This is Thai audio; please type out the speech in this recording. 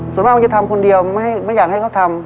ส่วนมากมันจะทำคนเดียวไม่อยากให้เขาทำ